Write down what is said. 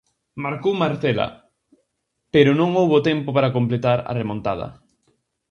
Marcou Marcela, pero non houbo tempo para completar a remontada.